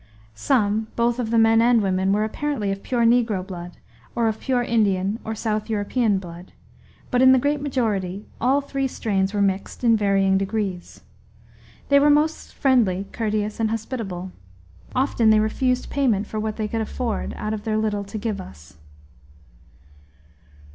Some, both of the men and women, were apparently of pure negro blood, or of pure Indian or south European blood; but in the great majority all three strains were mixed in varying degrees. They were most friendly, courteous, and hospitable. Often they refused payment for what they could afford, out of their little, to give us.